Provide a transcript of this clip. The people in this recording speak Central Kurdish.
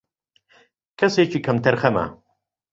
کەسێکی کەم تەرخەمە